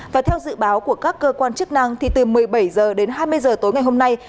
và theo dự báo của các cơ quan chức năng thì từ một mươi bảy h đến hai mươi h tối ngày hôm nay